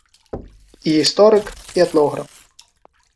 І гісторык, і этнограф.